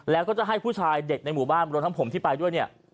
แล้วก็จะให้ผู้ชายเด็กในหมู่บ้านรวมทั้งผมที่ไปด้วยเนี่ย